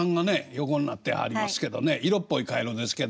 横になってはりますけどね色っぽいカエルですけど。